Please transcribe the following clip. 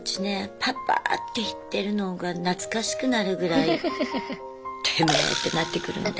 パパーって言ってるのが懐かしくなるぐらいテメェ！ってなってくるんで。